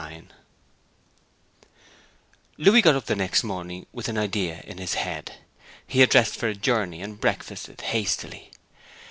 XXXIX Louis got up the next morning with an idea in his head. He had dressed for a journey, and breakfasted hastily.